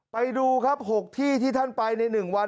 ไปดูครับ๖ที่ที่ท่านไปใน๑วัน